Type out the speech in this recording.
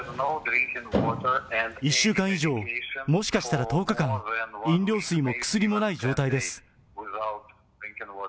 １週間以上、もしかしたら１０日間、飲料水も薬もない状態です。